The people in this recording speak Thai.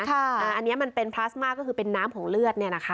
ค่ะอันเนี้ยมันเป็นพลาสมาก็คือเป็นน้ำของเลือดเนี่ยนะคะ